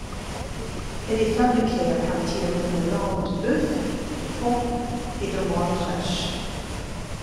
Elle est fabriquée à partir d'un mélange de bœuf, de porc et de ventrèche.